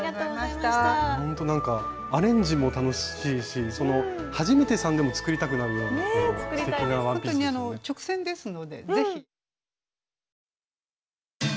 ほんとアレンジも楽しいし初めてさんでも作りたくなるようなすてきなワンピースですね。